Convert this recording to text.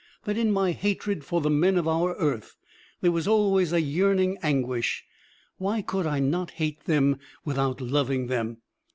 that in my hatred for the men of our earth there was always a yearning anguish: why could I not hate them without loving them?